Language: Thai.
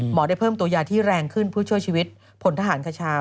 ได้เพิ่มตัวยาที่แรงขึ้นเพื่อช่วยชีวิตพลทหารคชา